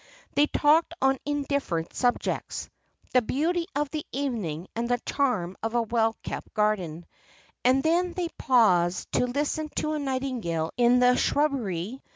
They talked on indifferent subjects the beauty of the evening and the charm of a well kept garden. And then they paused to listen to a nightingale in the shrubbery.